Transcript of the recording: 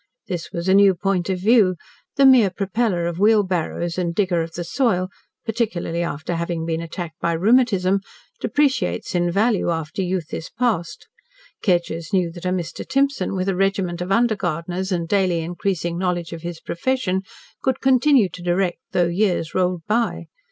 This was a new point of view. The mere propeller of wheel barrows and digger of the soil particularly after having been attacked by rheumatism depreciates in value after youth is past. Kedgers knew that a Mr. Timson, with a regiment of under gardeners, and daily increasing knowledge of his profession, could continue to direct, though years rolled by.